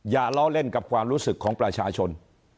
อย่าล้อเล่นกับความรู้สึกของประชาชน